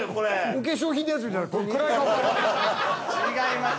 お化粧品のやつみたいな暗い顔から違います